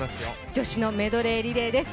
女子のメドレーリレーです